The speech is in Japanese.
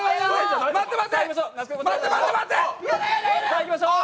さあいきましょう。